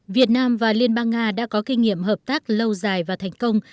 việt nam và liên bang nga đã có kinh nghiệm hợp tác lâu dài và thành công